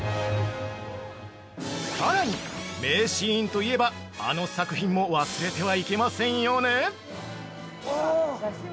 ◆さらに、名シーンといえばあの作品も忘れてはいけませんよね。